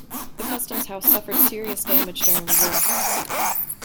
The Customs House suffered serious damage during the war.